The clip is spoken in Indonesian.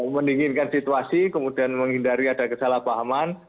mendinginkan situasi kemudian menghindari ada kesalahpahaman